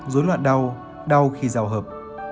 dối loạn đau đau khi giao hợp